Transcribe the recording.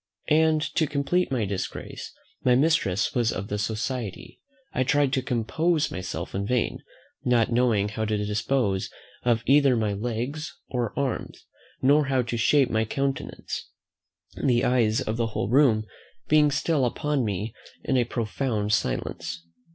And, to complete my disgrace, my mistress was of the society. I tried to compose myself in vain, not knowing how to dispose of either my legs or arms, nor how to shape my countenance, the eyes of the whole room being still upon me in a profound silence.